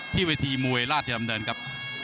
เวทีมวยราชดำเนินครับ